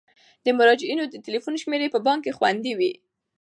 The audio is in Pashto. د مراجعینو د تلیفون شمیرې په بانک کې خوندي وي.